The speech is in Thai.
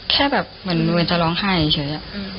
แค่แบบเหมือนเวรจะร้องไห้เฉย